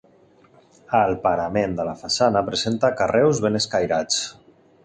El parament de la façana presenta carreus ben escairats.